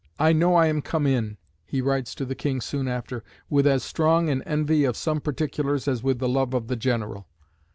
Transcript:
"I know I am come in," he writes to the King soon after, "with as strong an envy of some particulars as with the love of the general."